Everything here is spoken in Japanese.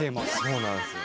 「そうなんですよ」